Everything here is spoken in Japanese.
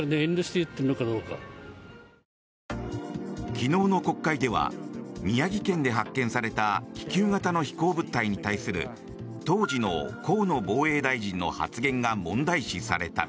昨日の国会では宮城県で発見された気球型の飛行物体に対する当時の河野防衛大臣の発言が問題視された。